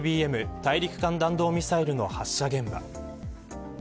大陸間弾道ミサイルの発射現場。